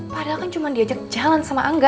padahal kan cuma diajak jalan sama angga